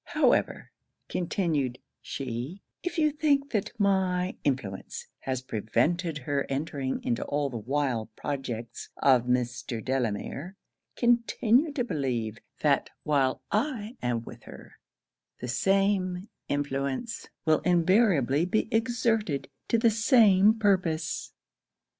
'However,' continued she, 'if you think that my influence has prevented her entering into all the wild projects of Mr. Delamere, continue to believe, that while I am with her the same influence will invariably be exerted to the same purpose.'